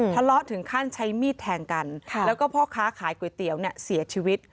ทะเลาะถึงขั้นใช้มีดแทงกันแล้วก็พ่อค้าขายก๋วยเตี๋ยวเนี่ยเสียชีวิต